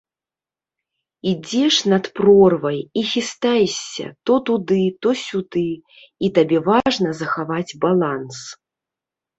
Ідзеш над прорвай і хістаешся то туды, то сюды, і табе важна захаваць баланс.